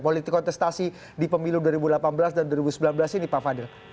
politik kontestasi di pemilu dua ribu delapan belas dan dua ribu sembilan belas ini pak fadil